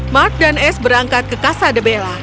mark dan s berangkat ke casa de bella